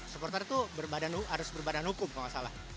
supporter tuh harus berbadan hukum kalau gak salah